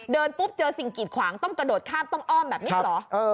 ปุ๊บเจอสิ่งกีดขวางต้องกระโดดข้ามต้องอ้อมแบบนี้เหรอ